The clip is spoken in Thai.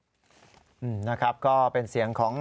นายยกรัฐมนตรีพบกับทัพนักกีฬาที่กลับมาจากโอลิมปิก๒๐๑๖